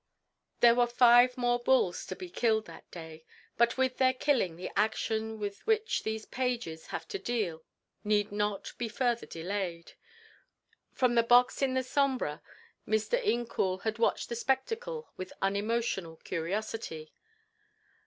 There were five more bulls to be killed that day, but with their killing the action with which these pages have to deal need not be further delayed. From the box in the sombra Mr. Incoul had watched the spectacle with unemotional curiosity.